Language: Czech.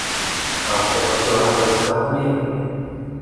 A copak dělá Evropská unie?